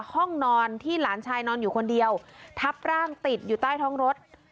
ห้องนอนที่หลานชายนอนอยู่คนเดียวทับร่างติดอยู่ใต้ท้องรถ